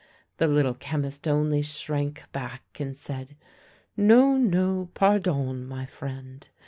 The Little Chemist only shrank back, and said, " No, no, pardon, my friend